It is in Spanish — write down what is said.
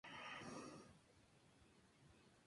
Se predice que es transparente.